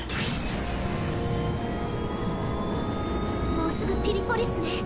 もうすぐピリポリスね。